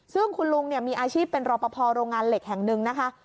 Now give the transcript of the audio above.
ซึ่งคุณลุงมีอาชีพเป็นรอปภโรงงานเหล็กแห่งหนึ่งนะคะ